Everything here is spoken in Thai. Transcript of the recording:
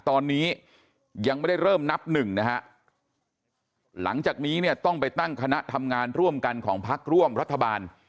ตอนนี้ยังไม่ได้เริ่มนับหนึ่งนะฮะหลังจากนี้เนี่ยต้องไปตั้งคณะทำงานร่วมกันของพักร่วมรัฐบาล